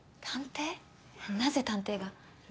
なぜ探偵が？